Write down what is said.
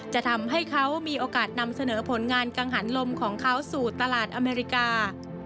จะทำให้เขามีโอกาสนำเสนอผลงานกังหันลมของเขาสู่ตลาดอเมริกา